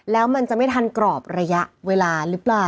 แล้วมันจะไม่ทันกรอบระยะเวลาหรือเปล่า